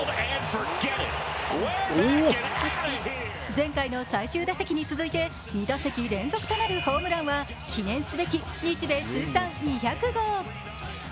前回の最終打席に続いて２打席連続となるホームランは記念すべき日米通算２００号。